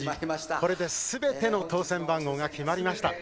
これですべての当せん番号が決まりました。